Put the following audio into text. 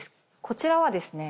こちらはですね